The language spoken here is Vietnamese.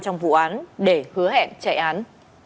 trong vụ án để hứa hẹn chạy án